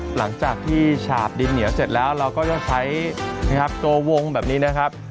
หลังจากที่ฉาบดินเหนียวเสร็จแล้วเราก็จะใช้นะครับตัววงแบบนี้นะครับ